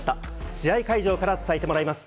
試合会場から伝えてもらいます。